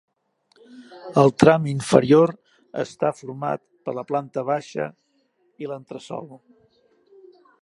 El tram inferior està format per la planta baixa i l'entresòl.